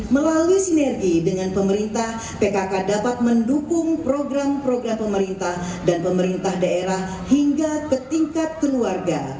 melalui sinergi dengan pemerintah pkk dapat mendukung program program pemerintah dan pemerintah daerah hingga ke tingkat keluarga